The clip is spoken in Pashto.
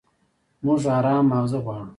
موږ ارام ماغزه غواړو.